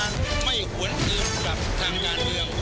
ไม่ควรเตรียมกับทางด้านเดียว